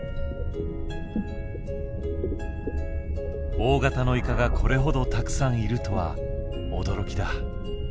大型のイカがこれほどたくさんいるとは驚きだ。